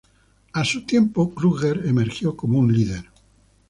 A su tiempo, Kruger emergió como un líder.